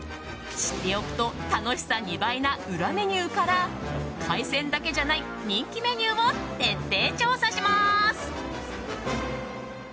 知っておくと楽しさ２倍な裏メニューから海鮮だけじゃない人気メニューも徹底調査します。